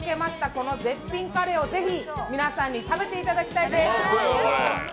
この絶品カレーをぜひ、皆さんに食べていただきたいです。